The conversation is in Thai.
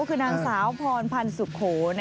คือนางสาวพรพันธ์สุโข